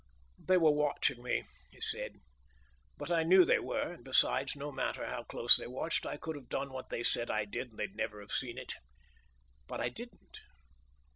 "They were watching me," he said. "But I knew they were, and besides, no matter how close they watched I could have done what they said I did and they'd never have seen it. But I didn't."